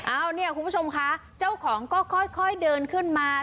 เอาเนี่ยคุณผู้ชมคะเจ้าของก็ค่อยเดินขึ้นมา